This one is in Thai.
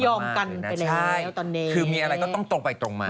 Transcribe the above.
คือไม่ยอมกันไปเลยตอนนี้มีอะไรก็ต้องตรงไปตรงมา